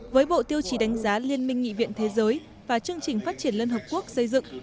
với bộ tiêu chí đánh giá liên minh nghị viện thế giới và chương trình phát triển liên hợp quốc xây dựng